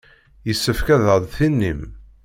Yessefk ad aɣ-d-tinim.